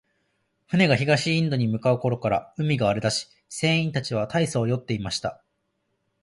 船が東インドに向う頃から、海が荒れだし、船員たちは大そう弱っていました。